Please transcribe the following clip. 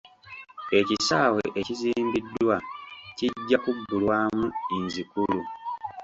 Ekisaawe ekizimbiddwa kijja kubbulwamu Inzikuru.